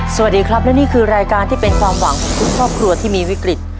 สวัสดีครับและนี่คือรายการที่เป็นความหวังของทุกครอบครัวที่มีวิกฤต